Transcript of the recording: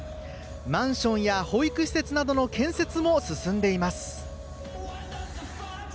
マンションや保育施設などの建設も進んでいます。